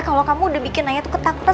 kalo kamu udah bikin naya tuh ketakutan